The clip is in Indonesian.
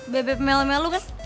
bebep melu melu kan